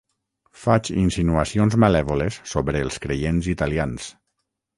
Faig insinuacions malèvoles sobre els creients italians.